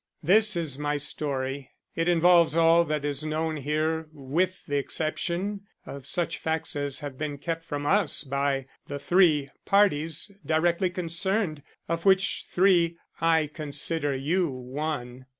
This is my story. It involves all that is known here with the exception of such facts as have been kept from us by the three parties directly concerned of which three I consider you one."